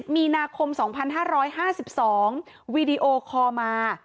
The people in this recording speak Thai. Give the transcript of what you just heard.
มีนาคม๒๕๕๒วีดีโอคอลมา